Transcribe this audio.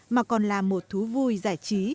mà còn là một thú vui giải trí